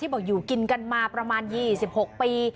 บอกอยู่กินกันมาประมาณ๒๖ปี